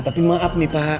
tapi maaf nih pak